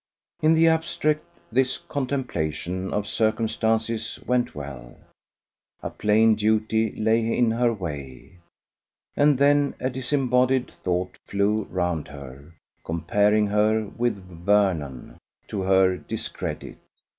In the abstract this contemplation of circumstances went well. A plain duty lay in her way. And then a disembodied thought flew round her, comparing her with Vernon to her discredit.